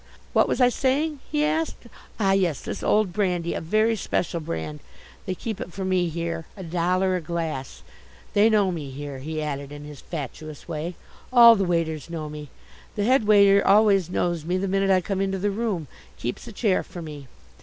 "What was I saying?" he asked. "Ah, yes, this old brandy, a very special brand. They keep it for me here, a dollar a glass. They know me here," he added in his fatuous way. "All the waiters know me. The headwaiter always knows me the minute I come into the room keeps a chair for me.